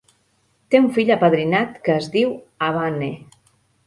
Té un fill apadrinat que es diu Abanne.